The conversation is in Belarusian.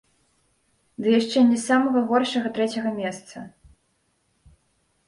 Ды яшчэ і не з самага горшага трэцяга месца.